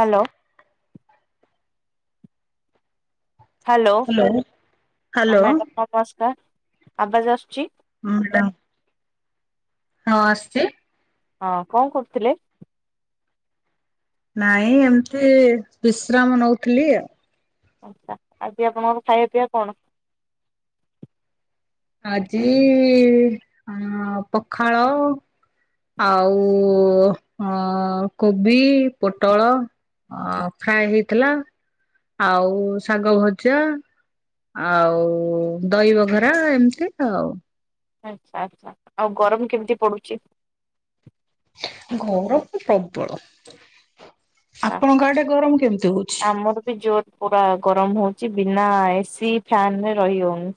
Hello. Hello hello ହଁ hello madam ନମସ୍କାର ଆବାଜ ଆସୁଛି? ହଁ ମ୍ୟାଡ଼ମ୍ ହଁ ଆସଚି। ହଁ କଣ କରୁଥିଲେ? ନାଇଁ ଏମିତି ବିଶ୍ରାମ ନଉଥିଲି ଆଉ। ଆଛା ଆଜି ଆପଣଙ୍କର ଖାଇବା ପିଇବା କଣ? ଆଜି ଅ ପଖାଳ ଆଉ ଅ କୋବି ପୋଟଳ ଅ ଆଉ ଫ୍ରାଏ ହେଇଥିଲା ଆଉ ଶାଗ ଭଜା ଆଉ ଦହିବଘରା ଏମିତି ତ ଆଉ। ଆଚ୍ଛା ଆଚ୍ଛା ଆଉ ଗରମ କେମିତି ପଡୁଚି। ଗରମ ତ ପ୍ରବଳ ଆ ଆପଣଙ୍କ ଆଡ଼େ ଗରମ କେମିତି ହଉଛି। ଆମର ବି ଜୋର। ପୁରା ଗରମ ହଉଛି ବିନା ଏସି ଫ୍ୟାନରେ ରହିହଉନି।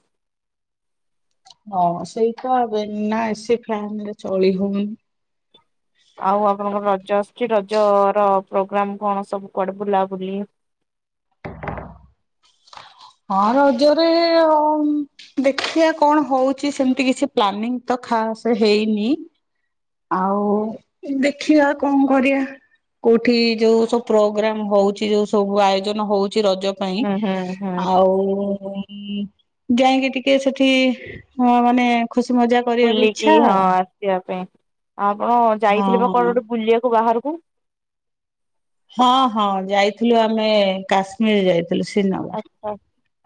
ହଁ ସେଇ ତ ଆବେ ନା ଏସି ଫ୍ୟାନ୍ ରେ ଚଳି ହଉନି। ଆଉ ଆପଣଙ୍କର ରଜ ଆସୁଛି ରଜ ର ପ୍ରୋଗ୍ରାମ କଣ ସବୁ କୁଆଡ଼େ ବୁଲାବୁଲି? ହଁ ରଜରେ ଏ ଆଉ। ଦେଖିଆ କଣ ହଉଛି ସେମିତି କିଛି ପ୍ଲାନିଂ ତ ଖାଶ୍ ହେଇନି। ଆଉ ଦେଖିବା କଣ କରିବା। କୋଉଠି ଯୋଉ ସବୁ ପ୍ରୋଗ୍ରାମ ହଉଛି ଯୋଉ ସବୁ ଆୟୋଜନ ହଉଛି ରଜ ପାଇଁ ହୁଁ ହୁଁ ହୁଁ ଆଉ ପୁଣି ଯାଇକି ଟିକେ ସେଠି ହଁ ଅ ମାନେ ଖୁସି ମଜା କରିବାକୁ ଇଚ୍ଛା ଆଉ। ଯିବା ପାଇଁ ଆଉ ଆପଣ ଯାଇଥିଲେ କଣ ହଁ ଗୋଟେ ବୁଲିବାକୁ ବାହାରକୁ? ହଁ ହଁ ଯାଇଥିଲୁ ଆମେ କାଶ୍ମୀର ଯାଇଥିଲୁ। [unintelligible] ଆଚ୍ଛା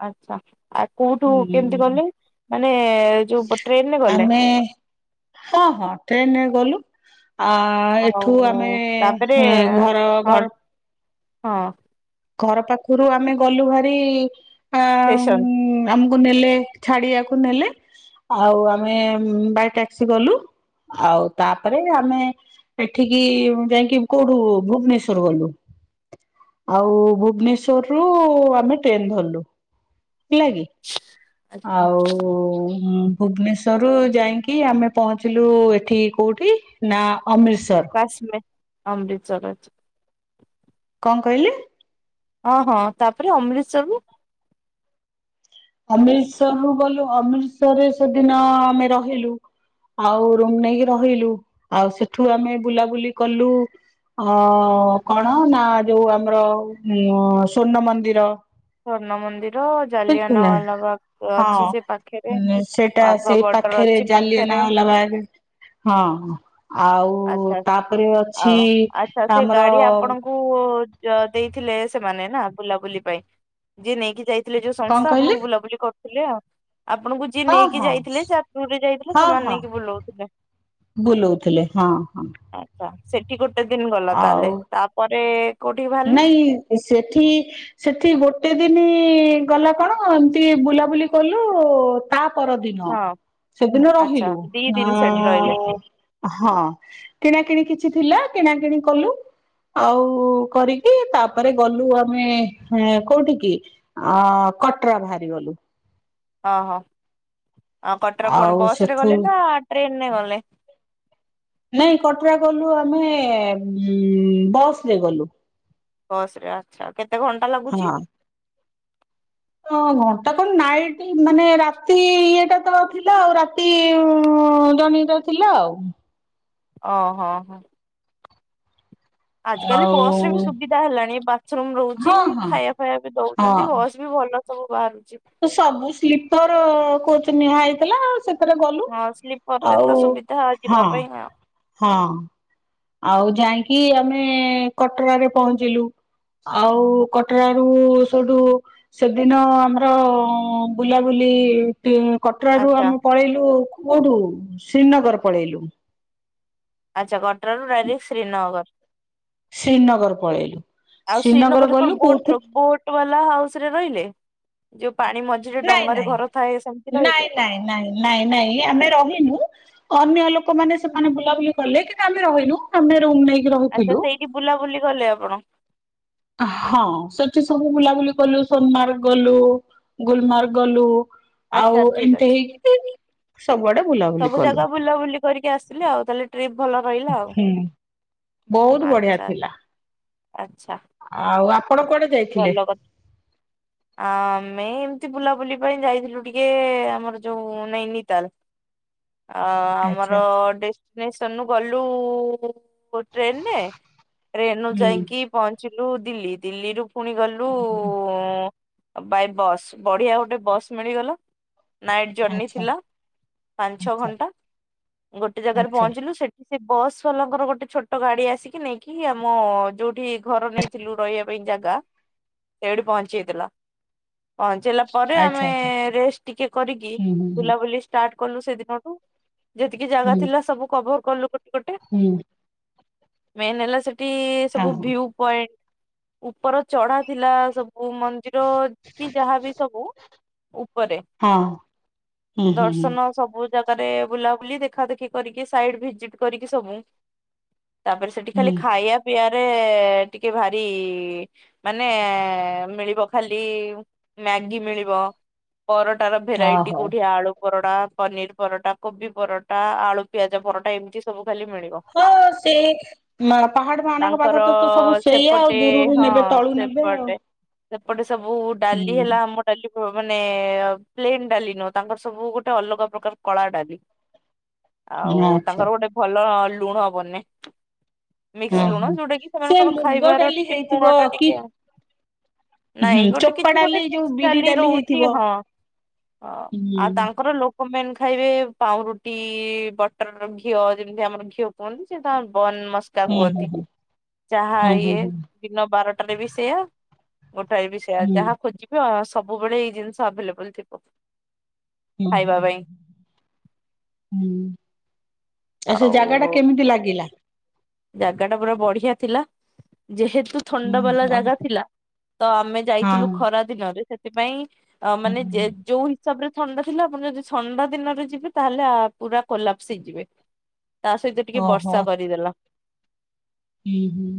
ଆଚ୍ଛା। ଆଉ କୋଉଠୁ କେମିତି ହୁଁ ଗଲେ ମାନେ ଯୋଉ ପ ଟ୍ରେନ୍ ରେ ଗଲେ? ଆମେ ହଁ ହଁ ଟ୍ରେନ୍ ରେ ଗଲୁ ଆ ଏଠୁ ଆମେ ଆଉ ତାପରେ ହୁଁ ଘର ହଁ ଘର ହଁ। ଘର ପାଖରୁ ଆମେ ଗଲୁ ଭାରି ଆ ଷ୍ଟେସନ୍। ଆମକୁ ନେଲେ ଛାଡ଼ିବାକୁ ନେଲେ। ଆଉ ଆମେ ବାଇ ଟ୍ୟାକ୍ସି ଗଲୁ। ଆଉ ତାପରେ ଆମେ ଏଠିକି ଯାଇକି କୋଉଠୁ ଭୁବନେଶ୍ୱରରୁ ଗଲୁ। ଆଉ ଭୁବନେଶ୍ଵରରୁ ଆମେ ଟ୍ରେନ ଧରିଲୁ ହେଲା କିି। ଆଚ୍ଛା ଆଉ। ଭୁବନେଶ୍ୱରରୁ ଯାଇକି ଆମେ ପହଞ୍ଚିଲୁ ଏଠି କୋଉଠି ନା ଅମୃତସର। କାଶ୍ମୀର ଅମୃତସର ପାଖେ। କଣ କହିଲେ? ଓଁ ହଁ ତାପରେ ଅମୃତସରରୁୁ? ଅମୃତସରରୁୁ ଗଲୁ ଅମୃତସରରେ ସେଦିନ ଆମେ ରହିଲୁ। ଆଉ ରୁମ ନେଇକି ରହିଲୁ ଆଉ ସେଠୁ ଆମେ ବୁଲାବୁଲି କଲୁ। ଅ କଣ ନା ଯୋଉ ଆମର ଉ ସ୍ଵର୍ଣ୍ଣ ମନ୍ଦିର। ସ୍ଵର୍ଣ୍ଣ ମନ୍ଦିର, ବୁଝିପାରିଲ ଜାଲିଆନାୱାଲାବାଗ ହଁ ଅଛି ସେ ପାଖରେ ସେଟା ସେଇ ବାଘବଟ ପାଖରେ ଅଛି ପାଖରେ। ଜାଲିଆନାୱାଲାବାଗ ହଁ ଆଉ ଆଚ୍ଛା ତାପରେ ଅଛି ଆମର ଉ ଡ ଦେଇଥିଲେ ସେମାନେ ନା ବୁଲାବୁଲି ପାଇଁ ଯିଏ ନେଇକି ଯାଇ ଥିଲେ ଯୋଉ କଣ ସଂସ୍ଥା କହିଲେ ଆପଣଙ୍କୁ ବୁଲାବୁଲି କରୁଥିଲେ ଆଉ ଆପଣଙ୍କୁ ଯିଏ ହଁ ନେଇକି ହଁ ଯାଇଥିଲେ ଯା ଟୁର୍ ରେ ଯାଇଥିଲେ ହଁ ସେମାନେ ହଁ ନେଇକି ବୁଲଉଥିଲେ। ବୁଲଉଥିଲେ ହଁ ହଁ। ଆଚ୍ଛା ସେଠି ଗୋଟେ ଦିନ ଗଲା ଆଉ ତାହେଲେ ତାପରେ କୋଉଠିକି ବାହାରିଲେ ନାଇଁ ସେଠି ସେଠି ଗୋଟେ ଦିନ ଗଲା କଣ ଏମିତି ବୁଲାବୁଲି କଲୁ ତା ପରଦିନ ହଁ। ସେଦିନ ଆଚ୍ଛା ରହିଲୁ ଦି ନା ଦିନ ସେଠି ରହିଲେ ହଁ କିଣାକିଣି କିଛି ଥିଲା କିଣାକିଣି କଲୁ ଆଉ କରିକି ତାପରେ ଗଲୁ ଆମେ କୋଉଠି କି? ଅ କଟରା ବାହାରିଗଲୁ। ଓ ହୋ ଆଉ କଟର କଣ ଆଉ ବସରେ ସେଠୁ ଗଲେ ନା ଟ୍ରେନରେ ଗଲେ? ନାଇଁ କଟରା ଗଲୁ ଆମେ ବସ ରେ ଗଲୁ। ବସରେ ଆଚ୍ଛା। କେତେ ଘଣ୍ଟା ଲାଗୁଛି? ହଁ ହଁ ଘଣ୍ଟା କଣ ନାଇଟ୍ ମାନେ ରାତି ଇଏଟା ତ ଥିଲା ଆଉ ରାତି ଜର୍ନି ତ ଥିଲା ଆଉ। ଓହୋ ହୋ। ଆଜିକାଲି ଆଉ ବସରେ ବି ସୁବିଧା ହେଲାଣି ବାଥରୁମ ହଁ ରହୁଛି ହଁ ଖାଇବା ଫାଇବା ବି ହଁ ଦଉଛନ୍ତି। ବସ୍ ବି ଭଲ ସବୁ ବାହାରୁଛି। ତ ସବୁ ସ୍ଲିପର କୋଚ୍ ନିହା ହେଇଥିଲା ଆଉ ସେ ରେ ଗଲୁ ହଁ ସ୍ଲିପର ରେ ତ ଆଉ ସୁବିଧା ହଁ ଯିବା ପାଇଁ ଆଉ ହଁ ଆଉ ଯାଇଁକି ଆମେ କଟରାରେ ପହଞ୍ଚିଲୁ। ଆଉ କଟରାରୁ ସେଠୁ ସେଦିନ ଆମର ବୁଲାବୁଲି କଟରାରୁ ଆଚ୍ଛା ଆମେ ପଳେଇଲୁ କୋଉଠୁ ଶ୍ରୀନଗର ପଳେଇଲୁ। ଆଚ୍ଛା କଟରାରୁ ଡାଇରେକ୍ଟ ଶ୍ରୀନଗର। ଶ୍ରୀନଗର ପଳେଇଲୁ ଆଉ ଶ୍ରୀନଗର ଶ୍ରୀନଗରରେ କଣ ଗଲୁ ବୋଟ ର କୋଉଥିରେ ବୋଟ ବାଲା ହାଉସ ରେ ରହିଲେ ଯୋଉ ପାଣି ମଝିରେ ଡଙ୍ଗାରେ ଘର ଥାଏ ସେମତି ରହିଲେ ନାଇ ନାଇଁ ନାଇଁ ଆମେ ରହିନୁ। ଅନ୍ୟ ଲୋକମାନେ ସେମାନେ ବୁଲାବୁଲି କଲେ କି ଆମେ ରହିଁନୁ ତମେ ରୁମ ନେଇକି ଆଚ୍ଛା ରହିଥିଲୁ ସେଇଠି ବୁଲାବୁଲି କଲେ ଆପଣ? ହଁ ସେଠି ସବୁ ବୁଲାବୁଲି କଲୁ ସୋନମାର୍ଗ ଗଲୁ ଗୁଲମାର୍ଗ ଗଲୁ ଆଉ ଆଚ୍ଛା ଠିକ ଏମିତି ଅଛି। ହେଇକି ସବୁଆଡେ ବୁଲାବୁଲି ସବୁ କଲୁ। ଜାଗା ବୁଲାବୁଲି କରିକି ଆସିଲେ ଆଉ ତାହେଲେ ଟ୍ରିପ ଭଲ ରହିଲା ଆଉ ହୁଁ ବହୁତ ବଢିଆ ଆଛା। ଥିଲା ଆଚ୍ଛା। ଆଉ ଆପଣ କୁଆଡେ ଯାଇଥିଲେ ଭଲ କଥା। ଆ ମେ ଏମତି ବୁଲାବୁଲି ପାଇଁ ଯାଇଥିଲୁ ଟିକେ ଆମର ଯୋଉ ନୈନିତାଲ। ଅ ଆମର ଆଚ୍ଛା ଡେଷ୍ଟିନେସନ୍ ନୁ ଗଲୁ ଲୁ ଟ୍ରେନରେ ଟ୍ରେନରୁ ହୁଁ ଯାଇକି ପହଞ୍ଚିଲୁ ଦିଲ୍ଲୀ ଦିଲ୍ଲୀରୁୁ ଫୁଣି ଗଲୁ ବାଇ ବସ୍ ବଢିଆ ଗୋଟେ ବସ୍ ମିଳିଗଲ ନାଇ ଜର୍ଣି ଆଚ୍ଛା ଥିଲା ପାଞ୍ଚ ଛ ଆଚ୍ଛା ଘଣ୍ଟା ଗୋଟେ ଜାଗାରେ ଆଚ୍ଛା ପହଞ୍ଚିଲୁ ସେଠ ସେ ବସ୍ ବାଲାଙ୍କର ଗୋଟେ ଛୋଟ ଗାଡି ଆସିକି ନେଇକି ଆମ ଯୋଉଠି ଘର ନେଇ ଲୁ ରଇବା ପାଇଁ ଜାଗା। ସେଇଠି ପହଞ୍ଚେଇ ଦେଲା। ପହଞ୍ଚେଇଲା ପରେ ଆଚ୍ଛା ଆମେ ଆଚ୍ଛା ରେଷ୍ଟ ଟିକେ କରିକି ହୁଁ ହୁଁ ବୁଲାବୁଲି ଷ୍ଟାର୍ଟ କଲୁ ସେଇ ଦିନଠୁ ଯେତିକି ହୁଁ ଜାଗା ଥିଲା ସବୁ କଭର କଲୁ ଗୋଟେ ଗୋଟେ। ହୁଁ। ମେନ୍ ହେଲା ସେଠି ହଁ ସବୁ ହଁ ଭିୟୁ ପଏଣ୍ଟ ଉପର ଚଢା ଥିଲା ସବୁ ମ ନ୍ଦିର କି ଯାହାବି ସବୁ ଉପରେ ହଁ ହୁଁ ହୁଁ ଦର୍ଶନ ସବୁ ଜାଗାରେ ବୁଲାବୁଲି ଦେଖା ଦେେଖି କରିକି ସାଇଡ ଭିଜିଟ କରିକି ସବୁ। ତାପରେ ସେଠି ହୁଁ ଖାଲି ହୁଁ ଖାଇବା ପିଇଆରେ ଟିକେ ଭାରି ମାନେ ମିଳିବ ଖାଲି ମ୍ୟାଗି ମିଳିବ। ପରଟା ର ଭେରାଇଟି ଓହୋ କୋଉଠି ଆଳୁ ପରଟା ପନିର ପରଟା କୋବି ପରଟା ଆଳୁ ପିଆଜ ପରଟା ଏମିତି ସବୁ ଖାଲି ମିଳିବ। ହଁ ସେଇ ନା ପାହାଡ ମାନଙ୍କ ତାଙ୍କର ପାଖ ତ ତ ସବୁ ସେଇଆ ଆଉ ସେପଟେ ଦୂରରୁ ହଁ ନେବେ ତଳୁ ନେବେ ଆଉ। ସେପଟେ ସେପଟେ ସବୁ ଡାଲି ହେଲା ଆମ ଡାଲି କ ମାନେ ପ୍ଲେନ୍ ଡାଲି ନୁହ ତାଙ୍କର ସବୁ ଗୋଟେ ଅଲଗା ପ୍ରକାର କଳା ଡାଲି। ହୁଁ ଆଉ ଆଚ୍ଛା ତାଙ୍କର ଗୋଟେ ଭଲ ଲୁଣ ବନେ। ମିକ୍ସ ହଁ ଲୁଣ ହଁ। ଯୋଉଟା କି ସେ ସେମାନଙ୍କର ମୁଗ ଖାଇବାର ଡାଲି ଟିକେ ହେଇଥିବ ଲୁଣ ଟା କି ଟିକେ ହୁଁ ନାଇଁ ଗୋଟେ ଚୋପା କିଛି ଡାଲି ଗୋଟେ ଯୋଉ ମିକ୍ସ ବିରି ଡାଲି ହେଇଥିବ। ରହୁଚି ହଁ। ହ ହୁଁ ଆଉ ତାଙ୍କର ଲୋ କ ମାନେ ଖାଇବେ ପାଉଁରୁଟି ବଟର ଘିଅ ଯେମିତି ଆମର ଘିଅ କୁହନ୍ତି ସେ ତା ବର୍ଣ୍ଣ ମସ କା ହଁ ହୁଅନ୍ତି ହଁ ଚାହା ହଁ ହଁ ଇଏ ହଁ ଦିନ ବାରଟାରେ ବି ସେୟା ଗୋଟାରେ ବି ହଁ ସେୟା ଯାହା ହୁଁ ଖୋଜି ବ ସବୁବେଳେ ଏଇ ଜିନିଷ ଆଭେଲେବଲ ଥିବ। ହଁ ହ ଖାଇବା ପାଇଁ। ହ ହୁଁ। ଏ ସେ ଜାଗା ଆଉ ଟା କେମିତି ଲାଗିଲା। ଜାଗା ଟା ପୁରା ବଢିଆ ଥିଲା ଯେହେତୁ ହଁ ଥଣ୍ଡା ବାଲା ଜାଗା ଥିଲା ତ ଆମେ ହଁ ଯାଇଥିଲୁ ଖରା ଦିନରେ ସେଥିପାଇଁ ଅ ମାନେ ଜେ ଯେଉ ହିସାବରେ ଥଣ୍ଡା ଥିଲା ଆପଣ ଯଦି ଥଣ୍ଡା ଦିନରେ ଯିବେ ତାହେଲେ ଆ ପୁରା କୋଲାପସ୍ ହେଇଯିବେ। ତା ସହିତ ଟିକେ ଓହୋ ବର୍ଷା କରିଦେଲା। ହୁଁ ହୁଁ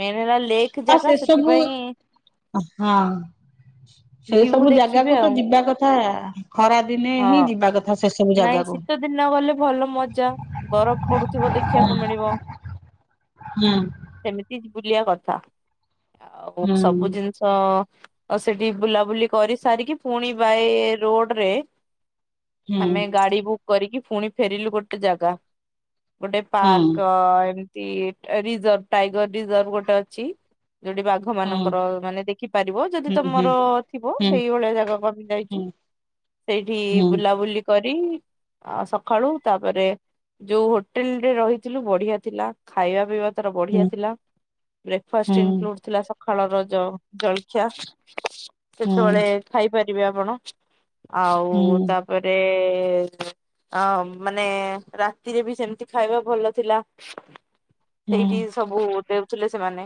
ମେନ୍ ହେଲା ଲେକ୍ ଆ ଜାଗା ସେ ସବୁ ସେଥିପାଇଁ ହଁ। ସେ ଭିଉ ସବୁ ଦେଖିବେ ଜାଗାକୁ ତ ଆଉ ଯିବା କଥା ଖରା ଦିନେ ହିଁ ଯିବା କଥା ସେ ସବୁ ଜାଗାକୁ। ସୀତ ଦିନ ଗଲେ ଭଲ ମଜା ବରଫ ପଡୁଥିବ ଦେଖିବାକୁ ମିଳିବ। ହୁଁ। ସେମିତି ବୁଲିିବା କଥା ଆଉ ହୁଁ ସବୁ ଜିନିଷ ଆଉ ସେଠି ବୁଲାବୁଲି କରି ସାରିକି ପୁଣି ବାଏ ରୋଡ ରେ ହୁଁ ଆମେ ଗାଡି ବୁକ୍ କରିକି ଫୁଣି ଫେରିଲୁ ଗୋଟେ ଜାଗା। ଗୋଟେ ହୁଁ ପାର୍କ ଅ ଏମ ତି ରିଜର୍ଭ ଟାଇଗର ରିଜର୍ଭ ଗୋଟେ ଅଛି ଯୋଉଠି ବାଘ ଘ ମାନଙ୍କର ହୁଁ ମାନେ ଦେଖିପାରିବ ଯଦି ହୁଁ ତମର ଥିବ ହୁଁ ସେଇଭଳିଆ ଜାଗାକୁ ଆମେ ହୁଁ ଯାଇଚୁ। ସେଇଠି ହୁଁ ବୁଲାବୁଲି କରି ଆ ସଖାଳୁ ତାପରେ ଯୋଉ ହୋଟେଲ ରେ ରହିଥିଲୁ ବଢିଆ ଥିଲା। ଖାଇବା ପିଇବା ତାର ବଢିଆ ହୁଁ ଥିଲା ହୁଁ ବ୍ରେକ୍ଫାଷ୍ଟ ହୁଁ ଇନକ୍ଲୁଡ ଥିଲା ସ ଖାଳର ଯୋଉ ଜଳଖିଆ ହୁଁ ସେତେବେଳେ ଖାଇପାରିବେ ଆପଣ। ହୁଁ ଆଉ ତାପରେ ଆ ମାନେ ରାତିରେ ବି ସେମିତି ଖାଇବା ଭଲ ଥିଲା। ସେଇଠି ସବୁ ଦେଉଥିଲେ ସେମାନେ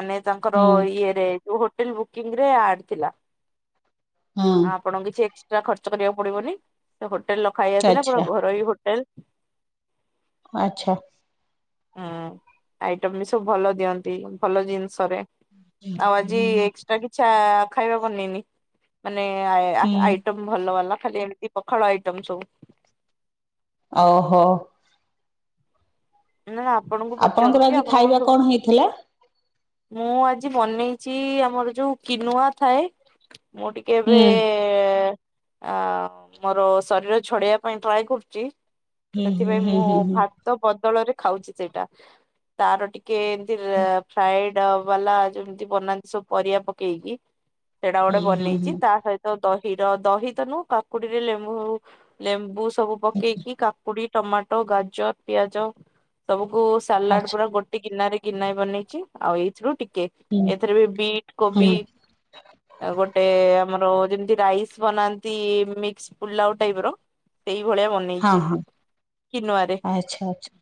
ମାନେ ତାଙ୍କର ହୁଁ ହୁଁ ଇଏରେ ଉ ହୋଟେଲ ବୁକିଂ ର ଆଡ ଥିଲା। ହୁଁ। ଆପଣଙ୍କୁ କିଛି ଏକ୍ସଟ୍ରା ଖର୍ଚ୍ଚ କରିବାକୁ ପଡିବନି ସେ ହୋଟେଲ ର ଖାଇବା ଥିଲା ପୁରା ଆଚ୍ଛା ଘରୋଇ ହୋଟେଲ। ଆଚ୍ଛା। ହୁଁ ଆଇଟମ ବି ସବୁ ଭଲ ଦିଅନ୍ତି ଭଲ ଜିନିଷରେ ଆଉ ଆଜି ହୁଁ ଏକ୍ସ କିଛା ଖାଇବା ବନେଇନି ମାନେ ଆ ହୁଁ ଆଇଟମ ଭଲ ବାଲା ଖାଲି ଏମିତି ପଖାଳ ଆଇଟମ୍ ସବୁ। ଓହୋ। ନା ଆପଣଙ୍କୁ ଆପଣଙ୍କର ପଚାରୁଛି ଆଜି ଆପଣଙ୍କର ଖାଇବା ସବୁ କଣ ହେଇଥିଲା? ମୁଁ ଆଜି ବନେଇଛି ଆମର ଯୋଉ କିିନୁଆ ଥାଏ ମୁଁ ଟିକେ ହୁଁ ଏବେ ଏ ଆ ମୋର ଶରୀର ଛଡେଇବା ପାଇଁ ଟ୍ରାଏ କରୁଚି। ହୁଁ ହୁଁ ସେଥିପାଇଁ ହୁଁ ମୁଁ ହୁଁ ହୁଁ ଭାତ ତ ବଦଳରେ ଖାଉଛି ସେଇଟା ତାର ଟିକେ ଏମତି ଫ୍ରାଏଡ ଡ ବାଲା ଯେମିତି ବନାନ୍ତି ସବୁ ପରିବା ପକେଇକି ସେଟା ହୁଁ ଗୋଟେ ହୁଁ ହୁଁ ବନେଇଚି ତା ସହି ତ ଦହି ର ଦହି ତ ନୁହଁ କାକୁଡିରେ ଲେମ୍ବୁ ଲେମ୍ବୁ ସବୁ ପକେଇକି କାକୁଡି ଟମାଟୋ, ଗାଜର, ପିଆଜ ସବୁକୁ ସାଲାଡ ଆଚ୍ଛା ପୁରା ଗୋ ଟେ ଗିନାରେ ଗିନାଏ ବନେଇଛି ଆଉ ଏଇଥିରୁ ଟିକେ ହୁଁ ଏଥିରେ ବି ବିଟ୍ ହୁଁ କୋବି ଆଉ ଗୋଟେ ଆମର ଯେମିତି ରାଇସ୍ ବନାନ୍ତି ମିକ୍ସ ପୁଲାଉ ଟାଇପର? ସେଇ ଭଳିଆ ହଁ ବନେଇଛି ହଁ କି ନୁଆରେ ଆଚ୍ଛା ଆଚ୍ଛା।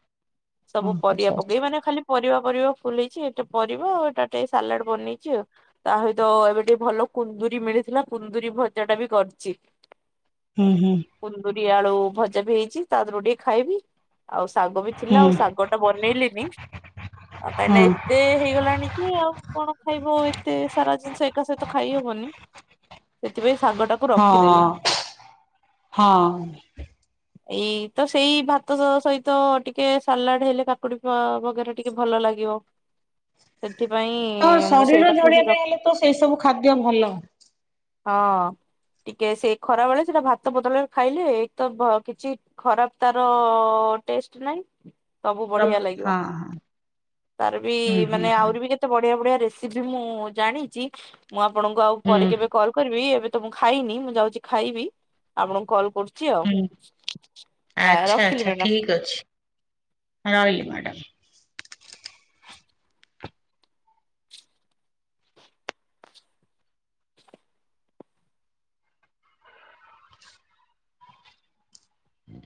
ହଁ ସବୁ ପରିଆ ଆଚ୍ଛା ପକେଇ ଆଚ୍ଛା ମାନେ ଖାଲି ପରିବା ପରିବା ଫୁଲେଇଛି ଏଟେ ପରିବା ଆଉ ଏଟା ଟେ ସାଲାଡ ବନେଇଛି ଆଉ ତା ସହିତ ଏବେ ଟିକେ ଭଲ କୁନ୍ଦୁରି ମିଳିଥିଲା କୁନ୍ଦୁରି ଭଜା ଟା ବି କରିଛି। ହୁଁ ହୁଁ କୁନ୍ଦୁରି ଆଳୁ ଭଜା ବି ହେଇଛି ତା ଦେହରୁ ଟିକେ ଖାଇବି ଆଉ ଶାଗ ବି ଥିଲା ହୁଁ ଆଉ ଶାଗଟା ବନେଇଲିନି ଆଉ କାଇଁକି ହୁଁ ଏତେ ହେଇଗଲାଣି କି ଆଉ କଣ ଖାଇବ ଆଉ ଏତେ ସାରା ଜିନିଷ। ତା ସହିତ ଖାଇ ହବନି ସେଥିପାଇଁ ଶାଗ ଟାକୁ ହଁ ରଖିଦେଲୁ। ହଁ ଏଇ ତ ସେଇ ଭାତ ସହିତ ଟିକେ ସାଲାଡ ହେଲେ କାକୁଡି ବଗରା ଟିକେ ଭଲ ଲାଗିବ। ସେଥିପାଇଁ ତ ମୁଁ ଶରୀର ସେଇଟାକୁ ହିଁ ଝଡିବା ରଖ ପାଇଁ ହେଲେ ତ ସେଇ ସବୁ ଖାଦ୍ୟ ଭଲ। ହଁ ଟିକେ ସେ ଖରା ବେଳେ ସେଟା ଭାତ ବଦଳରେ ଖାଇଲେ ଏଇ ତ କିଛି ଖରାପ ତାର ଟେଷ୍ଟ ନାଇଁ ସବୁ ହଁ ବଢିଆ ଲାଗିବ ହଁ। ତାର ବି ହୁଁ ହୁଁ ମାନେ ହୁଁ ଆହୁରି ବି କେତେ ଏତେ ବଢିଆ ବଢିଆ ରେସିପି ମୁଁ ଜାଣିଛି ମୁଁ ଆପଣଙ୍କୁ ଆଉ ପରେ ହୁଁ କେବେ କଲ କରିବି ଏବେ ତ ମୁଁ ଖାଇନି ମୁଁ ଯାଉଛି ଖାଇବି ଆପଣଙ୍କୁ କଲ୍ କରୁଛି। ଆଉ ହୁଁ ଆ ଆଚ୍ଛା ରଖିଲି ଆଚ୍ଛା ମ୍ୟାଡ଼ାମ। ଠିକ ଅଛି ରହିଲି ମାଡ଼ାମ।